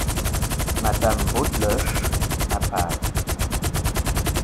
Madame Beaudeloche , à part.